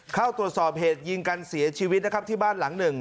เข้าตรวจสอบเหตุยิงกันเสียชีวิตนะครับที่บ้านหลังหนึ่ง